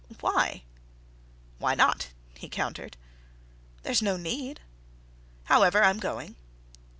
"Why?" "Why not?" he countered. "There's no need." "However, I'm going."